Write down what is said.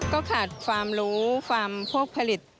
ก็ขาดความรู้ความโคกผลิต